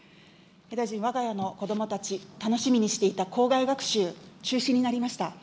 大臣、わが家の子どもたち、楽しみにしていた校外学習、中止になりました。